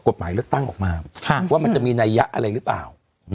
กฎหมายเลือกตั้งออกมาว่ามันจะมีนัยยะอะไรหรือเปล่า